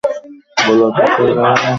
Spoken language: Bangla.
গলার ফাঁসকে গলার গয়না কেউ বলে না।